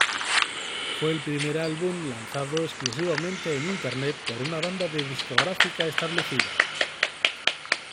Fue el primer álbum lanzado exclusivamente en Internet por una banda de discográfica establecida.